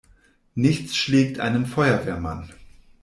Nichts schlägt einen Feuerwehrmann!